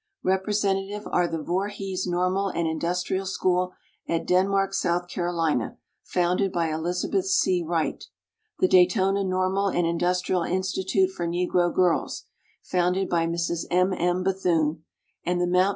Representa tive are the Voorhees Normal and Industrial School, at Denmark, S. C., founded by Elizabeth C. Wright; the Daytona Normal and Industrial Institute for Negro Girls, founded by Mrs. M. M. Bethune; and the Mt.